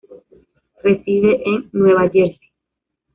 Reside en Nueva Jersey.